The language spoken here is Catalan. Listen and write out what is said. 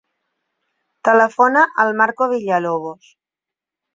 Telefona al Marco Villalobos.